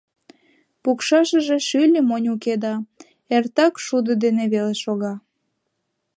Пукшашыже шӱльӧ монь уке да, эртак шудо дене веле шога.